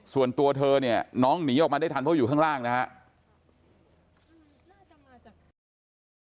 ส่วนตัวเธอเนี่ยน้องหนีออกมาได้ทันเพราะอยู่ข้างล่างนะครับ